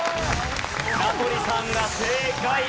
名取さんが正解。